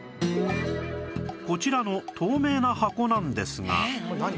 こちらの透明な箱なんですが